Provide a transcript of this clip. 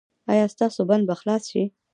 ایا ستاسو بند به خلاص شي؟